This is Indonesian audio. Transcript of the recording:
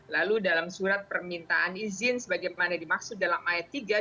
lalu dalam surat permintaan izin sebagaimana dimaksud dalam ayat tiga